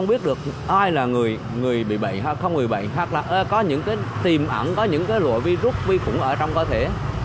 bệnh khác là có những tìm ẩn có những loại virus vĩ khủng ở trong cơ thể